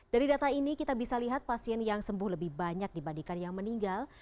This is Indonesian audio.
dari data ini kita bisa lihat pasien yang sembuh lebih banyak dibandingkan yang meninggal